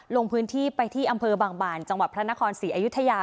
ลงพื้นที่ไปที่อำเภอบางบานจังหวัดพระนครศรีอยุธยา